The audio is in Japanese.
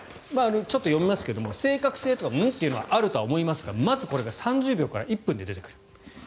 ちょっと読みますけど正確性とか、ん？というのはあると思いますがまずこれが３０秒から１分で出てくる。